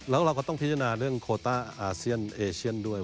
แล้วเราก็ต้องพิจารณาเรื่องโคต้าอาเซียนเอเชียนด้วย